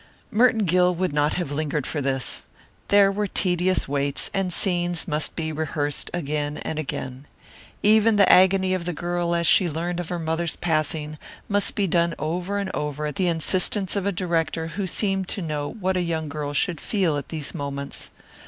Merton Gill would not have lingered for this. There were tedious waits, and scenes must be rehearsed again and again. Even the agony of the girl as she learned of her mother's passing must be done over and over at the insistence of a director who seemed to know what a young girl should feel at these moments.